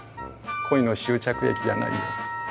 恋の終着駅じゃないよ。